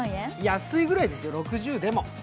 安いぐらいですよ、６０でも。